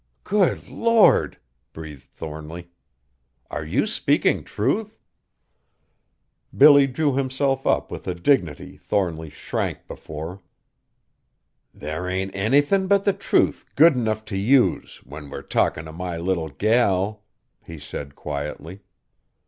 "Good Lord!" breathed Thornly, "are you speaking truth?" Billy drew himself up with a dignity Thornly shrank before. "Thar ain't anythin' but the truth good enough t' use, when we're talkin' of my little gal!" he said quietly.